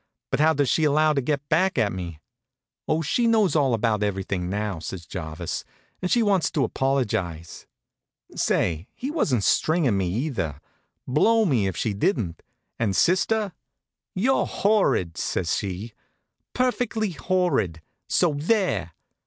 "But how does she allow to get back at me?" "Oh, she knows all about everything now," says Jarvis, "and she wants to apologize." Say, he wasn't stringin' me either. Blow me if she didn't. And sister? "You're horrid!" says she. "Perfectly horrid. So there!"